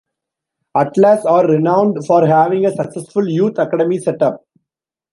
Atlas are renowned for having a successful youth academy setup.